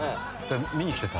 で見に来てた」